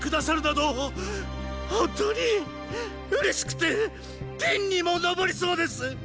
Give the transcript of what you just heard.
本当に嬉しくて天にも昇りそうです！